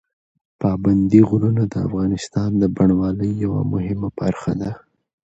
پابندي غرونه د افغانستان د بڼوالۍ یوه مهمه برخه ده.